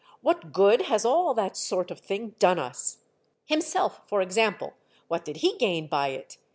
'* what good has all that sort of thing done us? Himself for example, what did he gain by it?